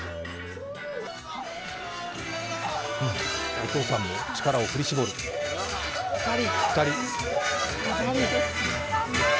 お父さんも力を振り絞る、２人。